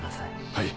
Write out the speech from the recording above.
はい。